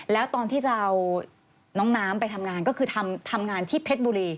แล้วตอนที่จะเอาน้องน้ำไปทำงานก็คือทำงานที่เพชรบุรี